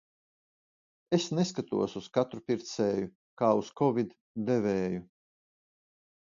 Es neskatos uz katru pircēju kā uz kovid devēju.